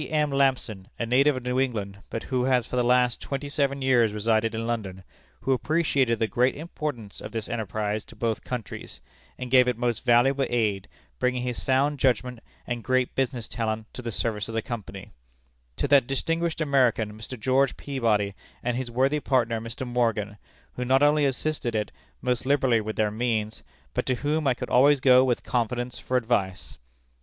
M. Lampson, a native of New England, but who has for the last twenty seven years resided in London, who appreciated the great importance of this enterprise to both countries, and gave it most valuable aid, bringing his sound judgment and great business talent to the service of the Company; to that distinguished American, Mr. George Peabody, and his worthy partner, Mr. Morgan, who not only assisted it most liberally with their means, but to whom I could always go with confidence for advice."